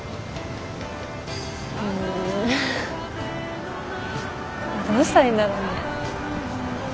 うんどうしたらいいんだろうね。